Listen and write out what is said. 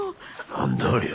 何だありゃ？